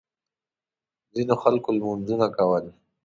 ځینو خلکو لمونځونه کول.